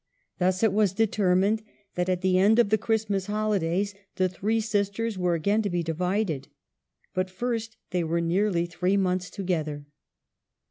Thus it was determined that at the end of the Christmas holidays the three sisters were again to be divided. But first they were nearly three months together.